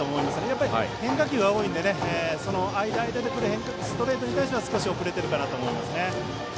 やっぱり変化球が多いのでその間、間でストレートに対して遅れていると思います。